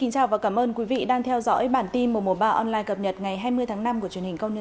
các bạn hãy đăng ký kênh để ủng hộ kênh của chúng mình nhé